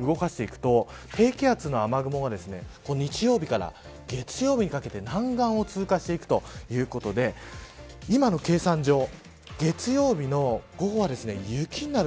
動かしていくと低気圧の雨雲が日曜日から月曜日にかけて南岸を通過していくということで今の計算上